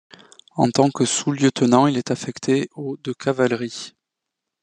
En tant que sous-lieutenant, il est affecté au de cavalerie.